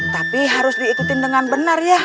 tapi harus diikutin dengan benar ya